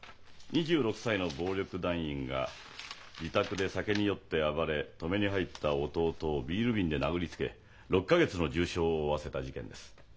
２６歳の暴力団員が自宅で酒に酔って暴れ止めに入った弟をビール瓶で殴りつけ６か月の重傷を負わせた事件です。